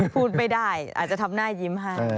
พูดไม่ได้อาจจะทำหน้ายิ้มให้